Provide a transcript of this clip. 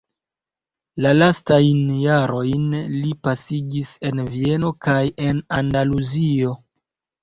La lastajn jarojn li pasigis en Vieno kaj en Andaluzio.